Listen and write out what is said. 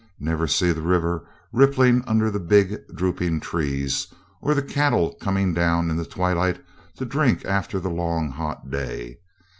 Never see the river rippling under the big drooping trees, or the cattle coming down in the twilight to drink after the long hot day.